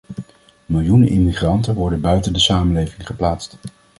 Miljoenen immigranten worden buiten de samenleving geplaatst.